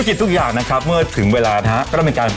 ธุรกิจทุกอย่างนะครับเมื่อถึงเวลานะฮะก็ด้วยเป็นการปรับตัว